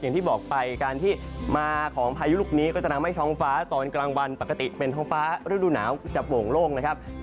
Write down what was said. อย่างที่บอกไปการที่มาของพายุลูกนี้ก็จะทำให้ท้องฟ้าตอนกลางวันปกติเป็นท้องฟ้าฤดูหนาวจะโป่งโล่งนะครับ